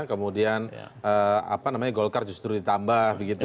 kemudian gol karya justru ditambah begitu